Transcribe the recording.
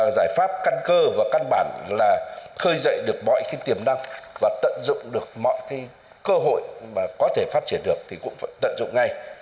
giải pháp căn cơ và căn bản là khơi dậy được mọi tiềm năng và tận dụng được mọi cơ hội mà có thể phát triển được thì cũng phải tận dụng ngay